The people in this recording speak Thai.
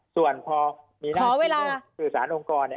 ส่วนพอมีหน้าสินวงสื่อสารองค์กร